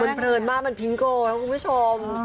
มันเพลินมากมันพิงโกนะคุณผู้ชม